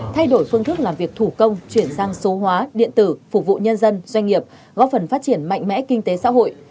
thay đổi phương thức làm việc thủ công chuyển sang số hóa điện tử phục vụ nhân dân doanh nghiệp góp phần phát triển mạnh mẽ kinh tế xã hội